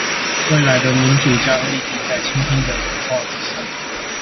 未來的民主將立基在傾聽的文化之上